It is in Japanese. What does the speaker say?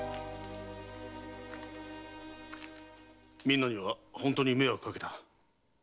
みんなには本当に迷惑かけた。